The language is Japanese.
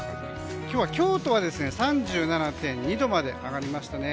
今日は京都は３７．２度まで上がりましたね。